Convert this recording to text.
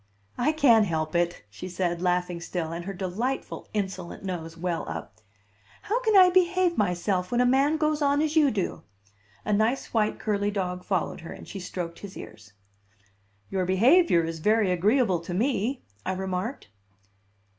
"I can't help it," she said, laughing still, and her delightful, insolent nose well up; "how can I behave myself when a man goes on as you do?" A nice white curly dog followed her, and she stroked his ears. "Your behavior is very agreeable to me," I remarked.